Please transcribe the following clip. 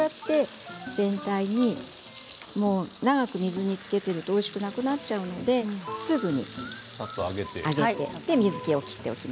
全体に長く水につけているとおいしくなくなってしまいますのですぐに上げてください。